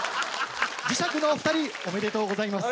磁石のお二人おめでとうございます。